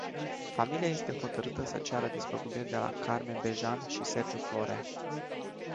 Familia este hotărâtă să ceară despăgubiri de la Carmen Bejan și Sergiu Florea.